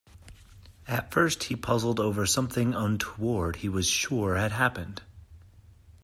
At first he puzzled over something untoward he was sure had happened.